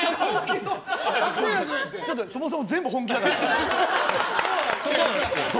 そもそも全部、本気だから！